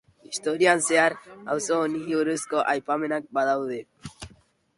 Historian zehar auzo honi buruzko aipamenak badaude.